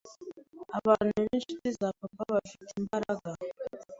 abantu b’inshuti za papa bafite imbaraga